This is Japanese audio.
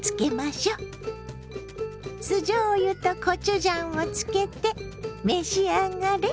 酢じょうゆとコチュジャンをつけて召し上がれ！